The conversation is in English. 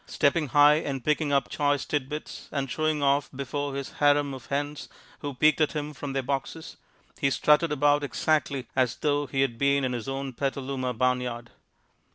Stepping high and picking up choice tidbits and showing off before his harem of hens who peeked at him from their boxes, he strutted about exactly as though he had been in his own Petaluma barnyard.